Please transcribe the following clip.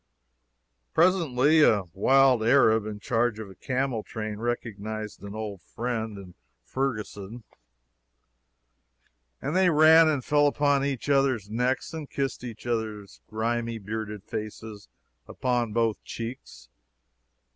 Presently a wild Arab in charge of a camel train recognized an old friend in Ferguson, and they ran and fell upon each other's necks and kissed each other's grimy, bearded faces upon both cheeks.